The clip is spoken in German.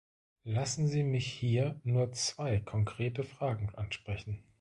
Lassen Sie mich hier nur zwei konkrete Fragen ansprechen.